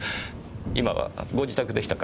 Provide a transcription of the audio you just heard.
今はご自宅でしたか？